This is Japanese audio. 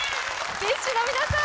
ＢｉＳＨの皆さん！